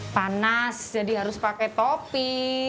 panas jadi harus pakai topi